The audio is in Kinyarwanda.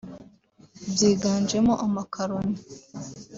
byiganjemo amakaroni